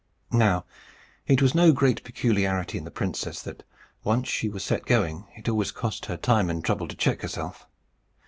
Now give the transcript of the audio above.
Now it was no great peculiarity in the princess that, once she was set agoing, it always cost her time and trouble to check herself.